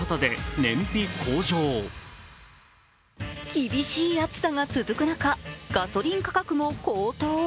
厳しい暑さが続く中、ガソリン価格も高騰。